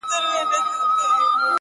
عاجزي د درنو انسانانو نښه ده!.